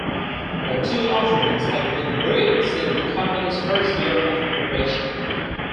The two offerings have been brewed since the company's first year of operation.